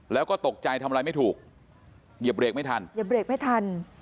แล้วก็ตกใจทำอะไรไม่ถูกหยับเรกไม่ทัน